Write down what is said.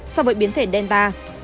so với biến thể delta